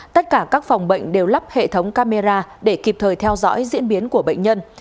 tất cả các phòng bệnh đều lắp hệ thống camera để kịp thời theo dõi diễn biến của bệnh nhân